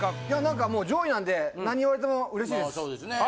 いや何かもう上位なんで何言われてもうれしいです。